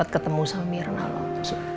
ketemu sama mirna loh